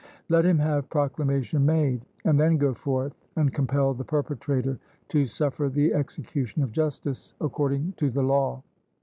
Let him have proclamation made, and then go forth and compel the perpetrator to suffer the execution of justice according to the law.